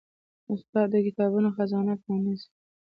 استاد د کتابونو خزانه پرانیزي.